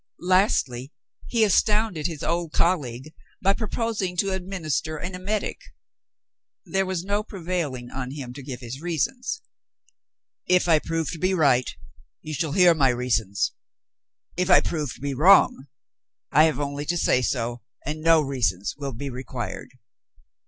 Lastly, he astounded his old colleague by proposing to administer an emetic. There was no prevailing on him to give his reasons. "If I prove to be right, you shall hear my reasons. If I prove to be wrong, I have only to say so, and no reasons will be required.